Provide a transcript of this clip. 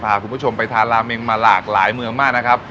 พาคุณผู้ชมไปทานราเมงมาหลากหลายเมืองมากนะครับ